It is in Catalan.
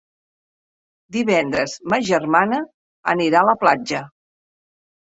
Divendres ma germana anirà a la platja.